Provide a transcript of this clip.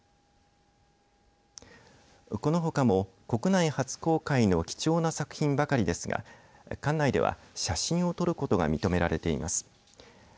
このほかも国内初公開の貴重な作品ばかりですが館内では写真を撮ることが認められています。